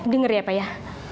dengar ya pak ya